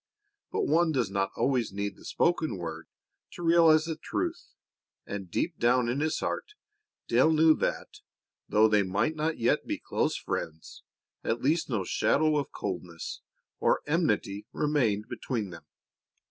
But one does not always need the spoken word to realize the truth, and deep down in his heart Dale knew that, though they might not yet be close friends, at least no shadow of coldness or enmity remained between them.